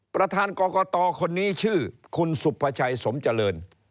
ประธานกรกตคนนี้ชื่อคุณสุภาชัยสมเจริญ